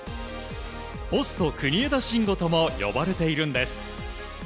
ポスト国枝慎吾とも呼ばれているんです。